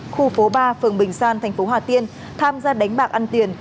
khu phố ba phường bình san thành phố hà tiên tham gia đánh bạc ăn tiền